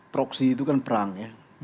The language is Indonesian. proksi itu kan perang ya